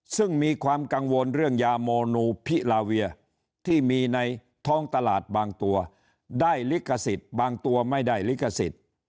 ซึ่งมีความกังวลเรื่องยาโมนูพิลาเวียที่มีในท้องตลาดบางตัวได้ลิขสิทธิ์บางตัวไม่ได้ลิขสิทธิ์